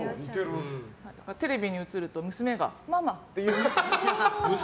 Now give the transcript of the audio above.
テレビに映ると娘がママ！って言います。